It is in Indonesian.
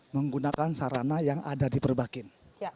menggunakan sarana yang ada di perbakin